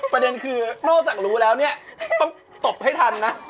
ประเด็นคือนอกจากรู้แล้วเนี่ยต้องตบให้ทันนะ